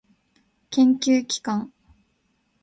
研究機関